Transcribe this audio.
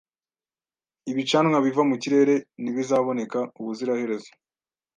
Ibicanwa biva mu kirere ntibizaboneka ubuziraherezo.